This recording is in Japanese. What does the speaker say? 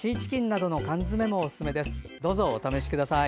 どうぞ、お試しください。